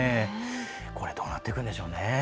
どうなっていくんでしょうね。